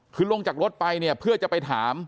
คือลงจากรถไปเพื่อจะไปถาม